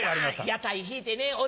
屋台引いてねお